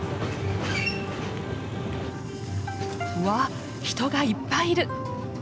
わ人がいっぱいいる！